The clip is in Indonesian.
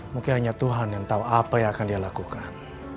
mungkin hanya tuhan yang tahu apa yang akan dia lakukan